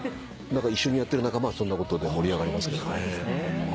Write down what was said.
一緒にやってる仲間はそんなことで盛り上がりますけど。